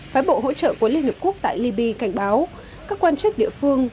phái bộ hỗ trợ của liên hợp quốc tại libya cảnh báo các quan chức địa phương